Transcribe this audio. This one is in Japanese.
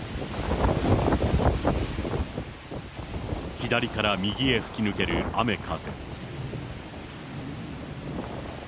左から右へ吹き抜ける雨風。